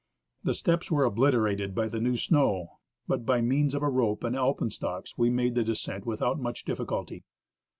The steps were obliterated by the new snow, but by means of a rope and alpenstocks we made the descent without much difficulty.